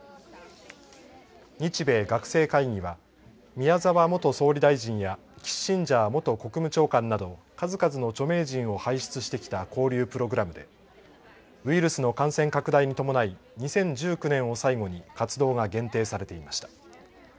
日米学生会議は宮澤元総理大臣やキッシンジャー元国務長官など数々の著名人を輩出してきた交流プログラムでウイルスの感染拡大に伴い２０１９年を最後に活動が限定されていました。